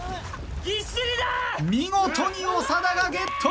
見事に長田がゲット！